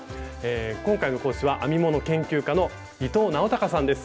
今回の講師は編み物研究家の伊藤直孝さんです。